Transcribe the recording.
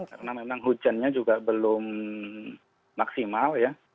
karena memang hujannya juga belum maksimal ya